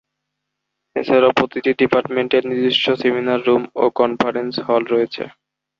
এছাড়াও প্রতিটি ডিপার্টমেন্টের নিজস্ব সেমিনার রুম ও কনফারেন্স হল রয়েছে।